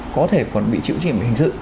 có thể còn bị chịu trách nhiệm